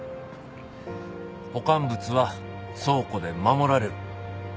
保管物は倉庫で守られる。